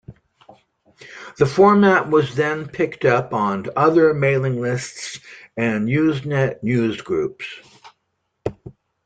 The format was then picked up on other mailing lists and Usenet news groups.